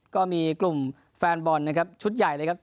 ก็มีกลุ่มแฟนบอลนะครับชุดใหญ่เลยครับ